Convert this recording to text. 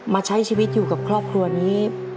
มาใช้ชีวิตอยู่กับครอบครัวนี้